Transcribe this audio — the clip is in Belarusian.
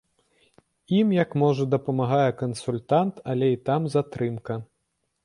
Ім як можа дапамагае кансультант, але і там затрымка.